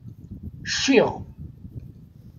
Cciɣ.